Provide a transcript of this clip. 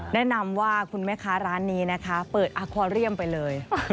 แนะนำว่าร้านนี้นะครับเปิดอักวาเลียมไปเลย